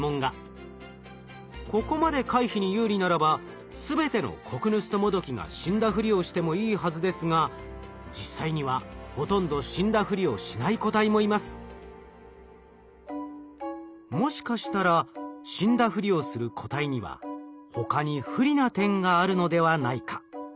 ここまで回避に有利ならば全てのコクヌストモドキが死んだふりをしてもいいはずですが実際にはもしかしたら死んだふりをする個体には他に不利な点があるのではないか。